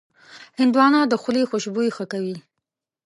هندوانه د خولې خوشبويي ښه کوي.